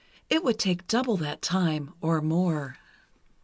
It would take double that time, or more.